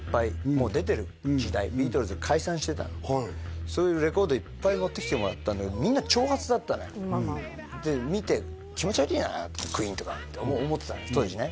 もう出てる時代ビートルズが解散してたのそういうレコードをいっぱい持ってきてもらったんだけどみんな長髪だったのよで見て気持ち悪いなってクイーンとかって思ってたの当時ね